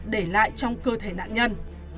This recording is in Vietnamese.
để lại trong cơ thể nạn nhân